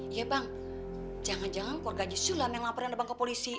ya bang jangan jangan keluarga jus sulam yang laporin abang ke polisi